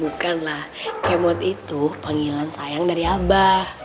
bukanlah kemot itu panggilan sayang dari abah